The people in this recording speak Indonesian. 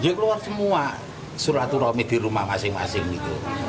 ya keluar semua suraturaumit di rumah masing masing gitu